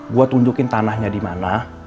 gue tunjukin tanahnya dimana